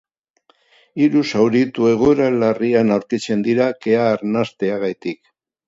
Hiru zauritu egoera larrian aurkitzen dira kea arnasteagatik.